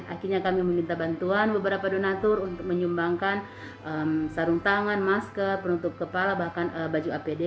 akhirnya kami meminta bantuan beberapa donatur untuk menyumbangkan sarung tangan masker penutup kepala bahkan baju apd